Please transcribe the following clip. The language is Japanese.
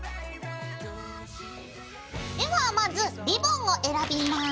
ではまずリボンを選びます。